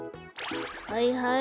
はいはい。